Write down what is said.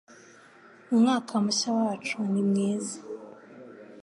Umwaka Mushya Wacu ni mwiza